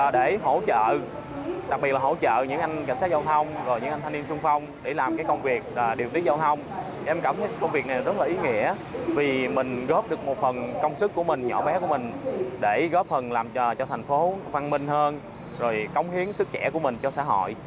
đội tình góp được một phần công sức của mình nhỏ bé của mình để góp phần làm cho thành phố văn minh hơn rồi cống hiến sức trẻ của mình cho xã hội